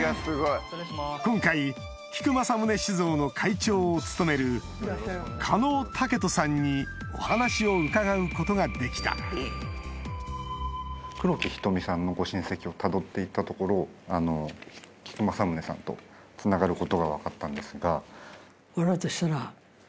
今回菊正宗酒造の会長を務める嘉納毅人さんにお話を伺うことができた黒木瞳さんのご親戚をたどって行ったところ菊正宗さんとつながることが分かったんですが。